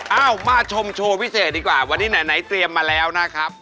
เอามาชมโชว์พิเศษดีกว่าวันนี้ไหนเตรียมมาแล้วนะครับ